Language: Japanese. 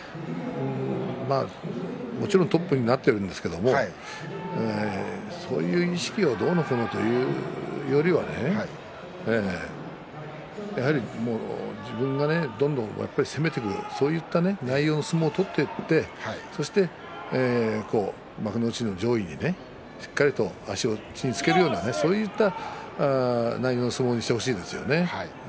もちろんトップにはなっていますけれどもそういう意識がどうのこうのというよりはやはり自分がどんどん攻めていくそういった内容の相撲を取っていってそして幕内上位にねしっかりと地に足を着けるようなそういう内容の相撲にしてほしいですね。